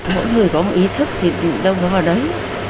mỗi người có một ý thức thì đừng có vào đấy